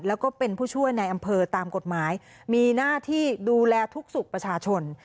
แล้วก็เป็นผู้ช่วยในอำเภอตามกฎหมายมีหน้าที่ดูแลทุกสุขประชาชน